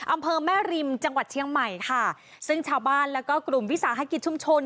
อำเภอแม่ริมจังหวัดเชียงใหม่ค่ะซึ่งชาวบ้านแล้วก็กลุ่มวิสาหกิจชุมชน